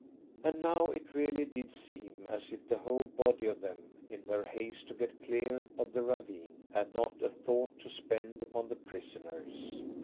And now it really did seem as if the whole body of them, in their haste to get clear of the ravine, had not a thought to spend upon the prisoners.